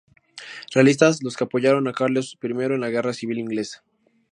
Realistas: los que apoyaron a Carlos I en la Guerra Civil Inglesa.